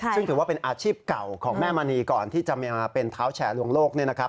ซึ่งถือว่าเป็นอาชีพเก่าของแม่มณีก่อนที่จะมาเป็นเท้าแชร์ลวงโลก